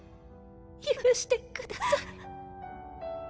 許してください。